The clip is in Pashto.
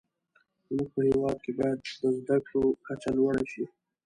زموږ په هیواد کې باید د زده کړو کچه لوړه شې.